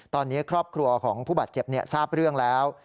ตอนนี้ครอบครัวของผู้บาดเจ็บทราบเรื่องแล้ว